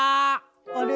あれ？